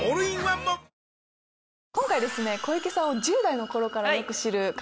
今回ですね。